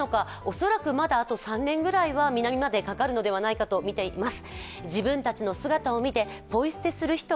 恐らくまだあと３年ぐらいは南までかかるのではないかとみています。